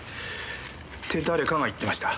って誰かが言ってました。